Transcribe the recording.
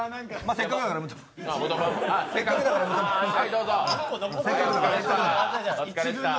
せっかくだからお前も。